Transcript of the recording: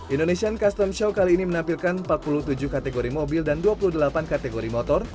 indonesian custom show kali ini menampilkan empat puluh tujuh kategori mobil dan dua puluh delapan kategori motor